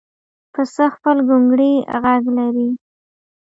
پسه خپل ګونګړی غږ لري.